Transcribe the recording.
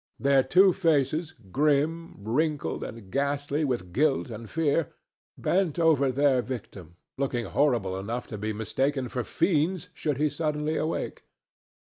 Their two faces, grim, wrinkled and ghastly with guilt and fear, bent over their victim, looking horrible enough to be mistaken for fiends should he suddenly awake.